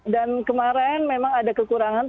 dan kemarin memang ada kekurangan